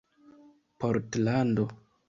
portlando